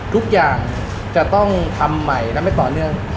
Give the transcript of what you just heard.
ทุกอย่างจะต้องทำใหม่และไม่ต่อเนื่อง